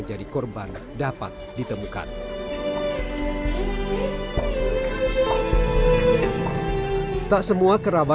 adakah mereka tidak terpaksa